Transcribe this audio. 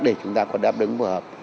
để chúng ta có đáp ứng phù hợp